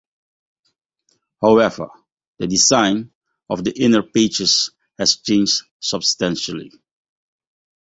However, the design of the inner pages has changed substantially.